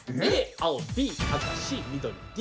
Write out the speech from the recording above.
青「Ｂ」赤「Ｃ」緑「Ｄ」